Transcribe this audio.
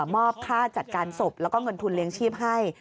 มอบค่าจัดการศพแล้วก็เงินทุนเลี้ยงชีพให้